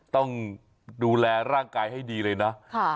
ต้องดูแลร่างกายให้ดีเลยนะ